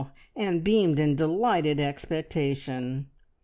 and beamed in delighted expectation.